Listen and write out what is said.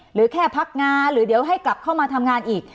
หรือแค่พักงานหรือเดี๋ยวให้กลับเข้ามาทำงานอีก